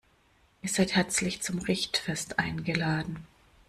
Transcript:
Ihr seid herzlich zum Richtfest eingeladen.